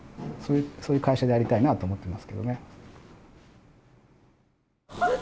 そういう会社でありたいなと思っていますけどね。